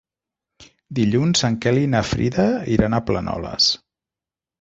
Dilluns en Quel i na Frida iran a Planoles.